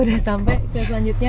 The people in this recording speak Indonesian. udah sampai ke selanjutnya